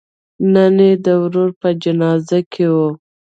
نن یې د ورور په جنازه کې و.